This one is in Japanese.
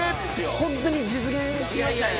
ホントに実現しましたね。